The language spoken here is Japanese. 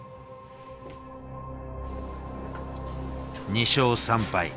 ２勝３敗。